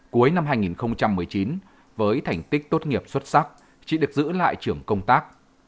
cuối năm hai nghìn một mươi chín với thành tích tốt nghiệp xuất sắc chị được giữ lại trưởng công tác